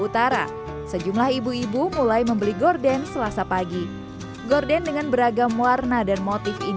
utara sejumlah ibu ibu mulai membeli gorden selasa pagi gorden dengan beragam warna dan motif